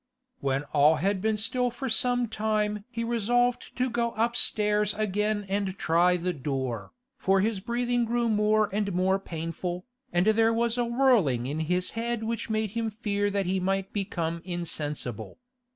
When all had been still for some time he resolved to go upstairs again and try the door, for his breathing grew more and more painful, and there was a whirling in his head which made him fear that he might become insensible.